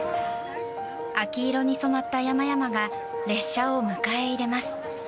秋色に染まった山々が列車を迎え入れます。